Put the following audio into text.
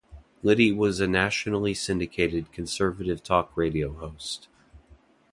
Liddy was a nationally syndicated conservative talk radio host.